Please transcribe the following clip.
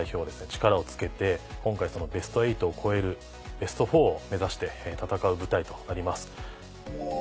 力をつけて今回ベスト８を超えるベスト４を目指して戦う舞台となります。